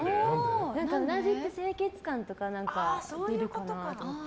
うなじって清潔感とか出るかなと思って。